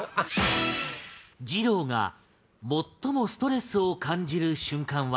二朗が最もストレスを感じる瞬間は？